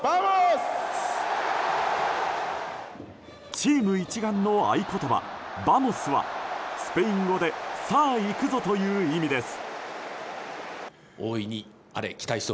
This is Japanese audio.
チーム一丸の合言葉バモスはスペイン語で「さあ行くぞ」という意味です。